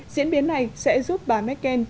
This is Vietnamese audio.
diễn biến này sẽ giúp bà merkel